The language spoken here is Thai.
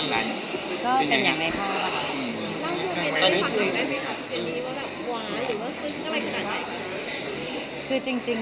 มีอะไรที่คุณคิดว่าไหวหรืออะไรขนาดนี้